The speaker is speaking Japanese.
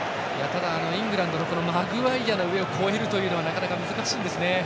ただ、イングランドのマグワイアの上を越えるのはなかなか難しいんですね。